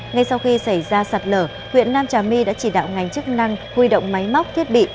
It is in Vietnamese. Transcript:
ngay sau khi xảy ra sạt lở huyện nam trà my đã chỉ đạo ngành chức năng huy động máy móc thiết bị